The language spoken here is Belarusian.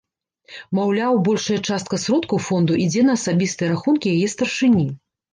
Маўляў, большая частка сродкаў фонду ідзе на асабістыя рахункі яе старшыні.